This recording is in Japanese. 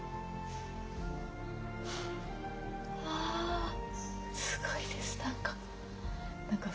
わぁすごいです何か。